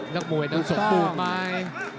แล้วก็มวยดังสกปรุงไป